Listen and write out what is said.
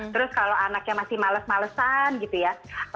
terus kalau anaknya masih males malesan gitu ya